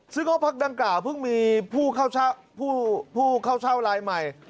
ซึ่งห้องพักดังกล่าวเพิ่งมีผู้เข้าเช่ารายใหม่